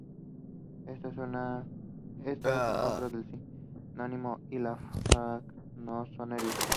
Está en contra del sionismo y la francmasonería.